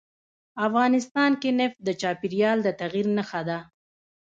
افغانستان کې نفت د چاپېریال د تغیر نښه ده.